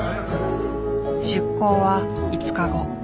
出航は５日後。